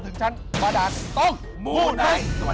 สวัสดีค่ะ